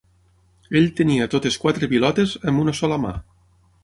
Ell tenia totes quatre pilotes amb una sola mà.